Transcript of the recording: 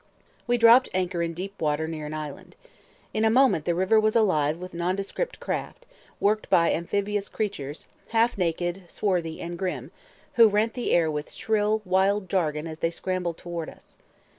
We dropped anchor in deep water near an island. In a moment the river was alive with nondescript craft, worked by amphibious creatures, half naked, swarthy, and grim, who rent the air with shrill, wild jargon as they scrambled toward us.